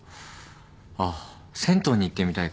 あっ銭湯に行ってみたいかも。